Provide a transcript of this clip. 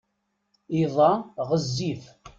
Iḍ-a ɣezzif.